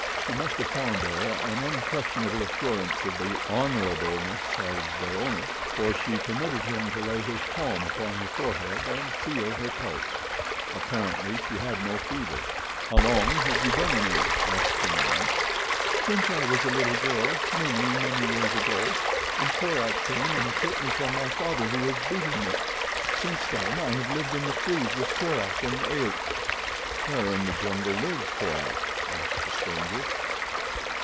She must have found there an unquestionable assurance of the honorableness of their owner, for she permitted him to lay his palm upon her forehead and feel her pulse. Apparently she had no fever. "How long have you been an ape?" asked the man. "Since I was a little girl, many, many years ago, and Korak came and took me from my father who was beating me. Since then I have lived in the trees with Korak and A'ht." "Where in the jungle lives Korak?" asked the stranger.